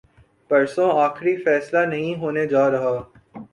پرسوں آخری فیصلہ نہیں ہونے جارہا۔